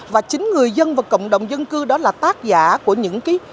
và chính người dân và cộng đồng dân cư đó là tác giả của những cái gia đình